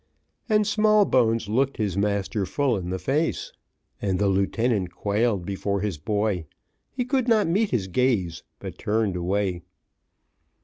And Smallbones looked his master full in the face. And the lieutenant quailed before his boy. He could not meet his gaze, but turned away.